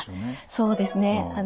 そうですね。